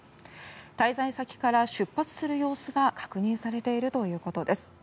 滞在先から出発する様子が確認されているということです。